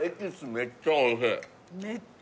めっちゃ美味しい。